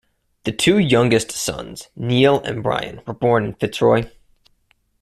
The two youngest sons Neil and Brian were born in Fitzroy.